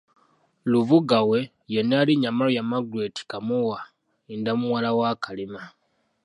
Lubuga we, ye Nnaalinnya Maria Margaret Kaamuwa nda muwala wa Kalema.